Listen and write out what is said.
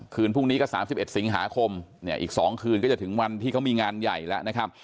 คืนพรุ่งนี้ก็๓๑สิงหาคมเนี่ยอีก๒คืนก็จะถึงวันที่เขามีงานใหญ่แล้วนะครับ